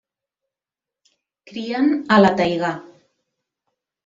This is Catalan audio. Crien a la taigà.